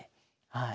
はい。